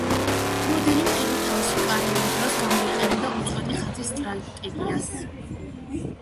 მოდელი მთელი თავისი კარიერი დროს გამოიყენებდა უწყვეტი ხაზის სტრატეგიას.